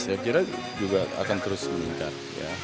kami berpikir akan terus meningkat